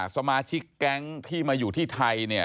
สมาชิกแก๊งที่มาอยู่ที่ไทยเนี่ย